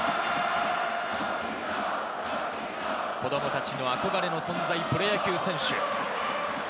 子供たちの憧れの存在、プロ野球選手。